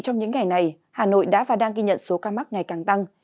trong những ngày này hà nội đã và đang ghi nhận số ca mắc ngày càng tăng